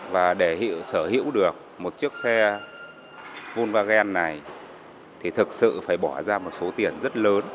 và để sở hữu được một chiếc xe vunvagen này thì thực sự phải bỏ ra một số tiền rất lớn